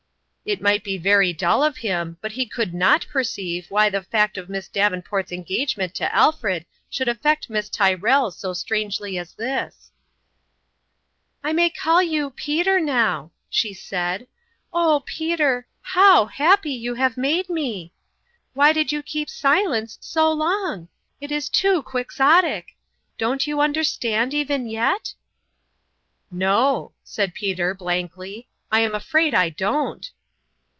It might be very dull of him, but he could not perceive why the fact of Miss Davenport's engagement to Alfred should affect Miss Tyr rell so strangely as this ! "I may call you ' Peter' now," she said. " Oh, Peter, how happy you have made me ! Why did you keep silence so long ? It was too quixotic ! Don't you understand even yet ?" "No," said Peter, blankly, "I'm afraid I don't."